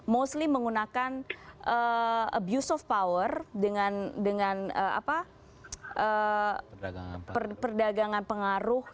mostly menggunakan abuse of power dengan perdagangan pengaruh